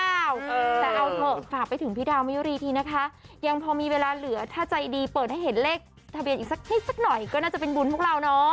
แต่เอาเถอะฝากไปถึงพี่ดาวมิยุรีทีนะคะยังพอมีเวลาเหลือถ้าใจดีเปิดให้เห็นเลขทะเบียนอีกสักนิดสักหน่อยก็น่าจะเป็นบุญพวกเราเนาะ